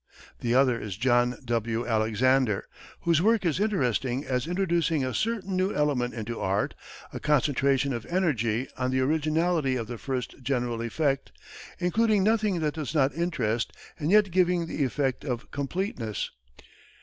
The other is John W. Alexander, whose work is interesting as introducing a certain new element into art a concentration of energy on the originality of the first general effect, including nothing that does not interest, and yet giving the effect of completeness.